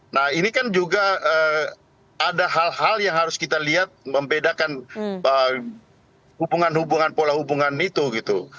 nah ini kan juga ada hal hal yang harus kita lihat membedakan hubungan hubungan pola hubungan itu gitu